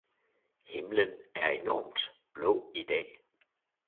Himlen er enormt blå i dag